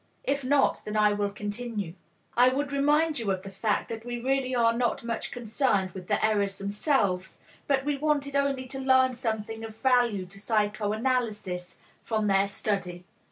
If not, then I will continue. I would remind you of the fact that we really are not much concerned with the errors themselves, but we wanted only to learn something of value to psychoanalysis from their study.